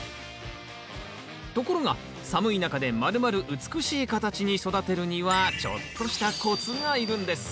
ところが寒い中でまるまる美しい形に育てるにはちょっとしたコツがいるんです。